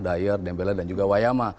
dyer dembele dan juga wayama